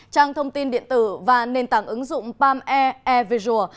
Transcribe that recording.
trang thông tin điện tử và nền tảng ứng dụng palm air air visual